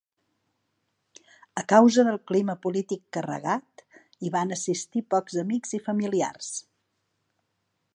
A causa del clima polític carregat, hi van assistir pocs amics i familiars.